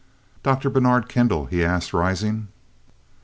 "Dr. Bernard Kendall?" he asked, rising.